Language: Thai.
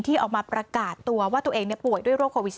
ออกมาประกาศตัวว่าตัวเองป่วยด้วยโรคโควิด๑๙